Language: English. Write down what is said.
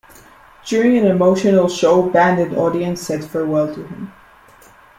During an emotional show band and audience said farewell to him.